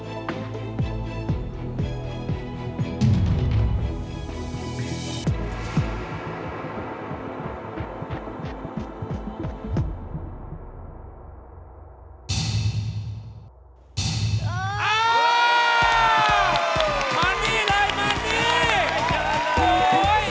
อ้าวอ้าวมันจะยิ้มได้